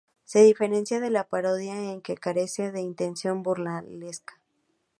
Se diferencia de la parodia en que carece de intención burlesca.